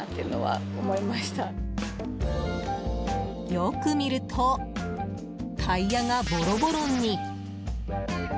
よく見るとタイヤがボロボロに。